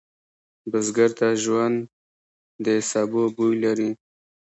بزګر ته ژوند د سبو بوی لري